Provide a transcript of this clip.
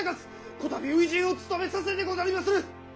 こたび初陣をつとめさせてござりまする！